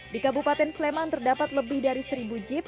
di kabupaten sleman terdapat lebih dari seribu jeep